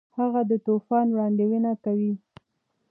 هغه د طوفان وړاندوینه کوي.